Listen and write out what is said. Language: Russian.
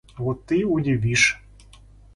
Вот ты увидишь.